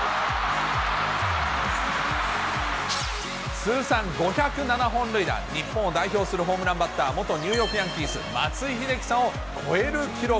通算５０７本塁打、日本を代表するホームランバッター、元ニューヨークヤンキース、松井秀喜さんを超える記録。